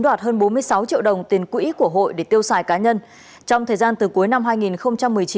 đoạt hơn bốn mươi sáu triệu đồng tiền quỹ của hội để tiêu xài cá nhân trong thời gian từ cuối năm hai nghìn một mươi chín